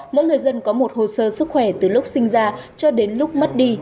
mỗi người dân có một hồ sơ sức khỏe từ lúc sinh ra cho đến lúc mất đi